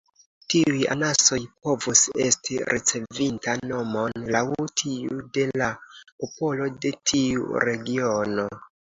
Tiuj anasoj povus esti ricevinta nomon laŭ tiu de la popolo de tiu regiono.